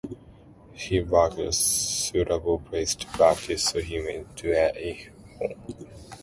He lacked a suitable place to practice so he made do at his home.